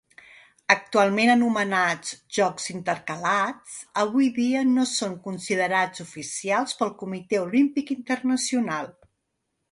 Actualment anomenats Jocs Intercalats, avui dia no són considerats oficials pel Comitè Olímpic Internacional.